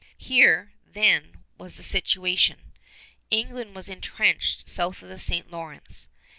Here, then, was the situation. England was intrenched south of the St. Lawrence.